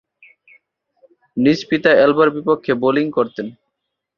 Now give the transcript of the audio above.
নিজ পিতা অ্যালভা’র বিপক্ষে বোলিং করতেন।